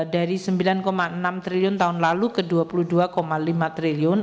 dari rp sembilan enam triliun tahun lalu ke dua puluh dua lima triliun